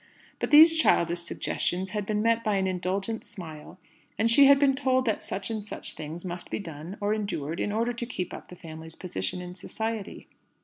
But these childish suggestions had been met by an indulgent smile; and she had been told that such and such things must be done or endured in order to keep up the family's position in society.